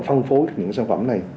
phân phối những sản phẩm này